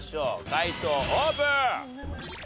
解答オープン！